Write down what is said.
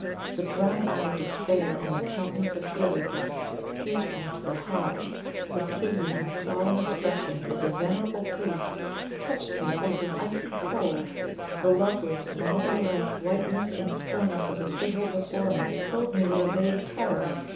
The dry eyed despair on the countenance of Heliobas pierced me to the heart; the pitying, solemn expression of the venerable priest touched me as with icy cold. The lovely, marble like whiteness and stillness of the figure before me filled me with a vague terror.